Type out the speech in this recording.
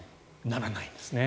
ならないんですね。